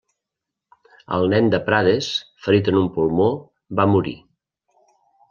El Nen de Prades, ferit en un pulmó, va morir.